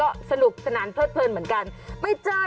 มากับความดังให้คุณชนะ